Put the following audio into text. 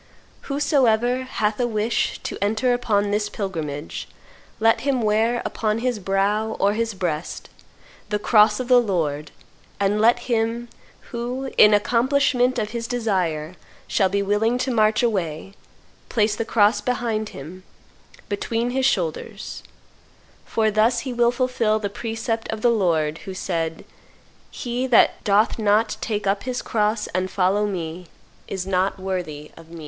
Whosoever hath a wish to enter upon this pilgrimage, let him wear upon his brow or his breast the cross of the Lord, and let him, who, in accomplishment of his desire, shall be willing to march away, place the cross behind him, between his shoulders; for thus he will fulfil the precept of the Lord, who said, 'He that doth not take up his cross and follow Me, is not worthy of Me.